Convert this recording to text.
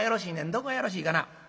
どこがよろしいかな。